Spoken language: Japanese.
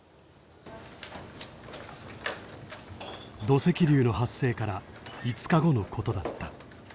土石流の発生から５日後のことだった。